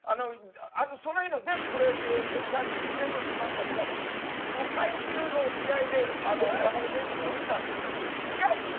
その日の全プロ野球チャンネル全部見ましたけど最終の試合で村上選手が打ったって言うんだけど違うんですよ。